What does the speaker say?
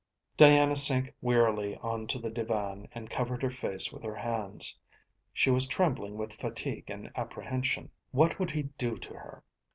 Diana sank wearily on to the divan and covered her face with her hands. She was trembling with fatigue and apprehension. What would he do to her?